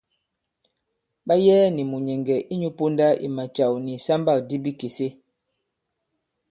Ɓa yɛɛ nì mùnyɛ̀ŋgɛ̀ inyū ponda i macàw nì ìsambâkdi bikèse.